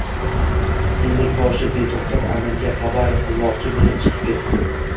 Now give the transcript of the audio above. Ellikboshi beto‘xtov aminga xabar qil-moqchi bo‘lib chiqib ketdi